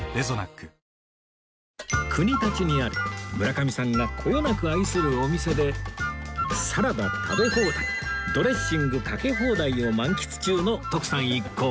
国立にある村上さんがこよなく愛するお店でサラダ食べ放題ドレッシングかけ放題を満喫中の徳さん一行